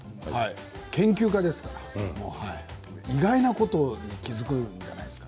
研究家ですから意外なことに気付くんじゃないですか？